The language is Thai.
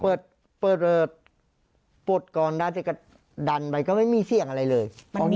เปิดปลดกรอนดันไปก็ไม่มีเสี่ยงอะไรเลย